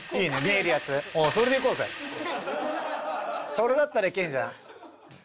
それだったらいけんじゃん。